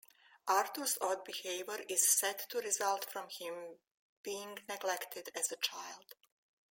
Arthur's odd behavior is said to result from him being neglected as a child.